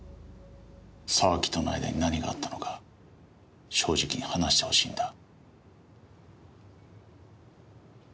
沢木との間に何があったのか正直に話してほしいんだ。